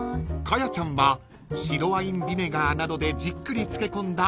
［かやちゃんは白ワインビネガーなどでじっくり漬け込んだ］